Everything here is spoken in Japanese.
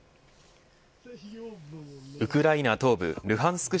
ウクライナ東部ルハンスク